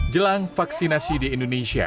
jelang vaksinasi di indonesia